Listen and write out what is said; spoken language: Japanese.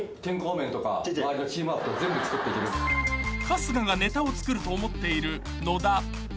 ［春日がネタを作ると思っている野田］